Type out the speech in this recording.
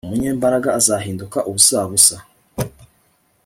umunyambaraga azahinduka ubusabusa